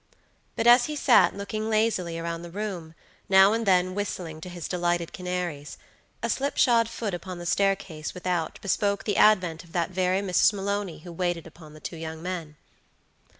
But as he sat looking lazily around the room, now and then whistling to his delighted canaries, a slipshod foot upon the staircase without bespoke the advent of that very Mrs. Maloney who waited upon the two young men.